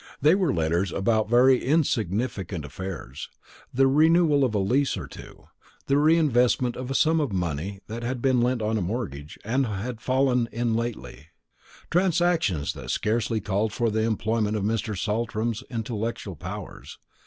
They were letters about very insignificant affairs; the renewal of a lease or two; the reinvestment of a sum of money that had been lent on mortgage, and had fallen in lately; transactions that scarcely called for the employment of Mr. Saltram's intellectual powers.